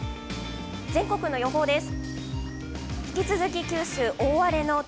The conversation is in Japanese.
全国の予報です。